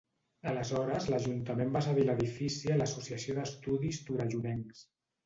Aleshores l'ajuntament va cedir l'edifici a l'Associació d'Estudis Torellonencs.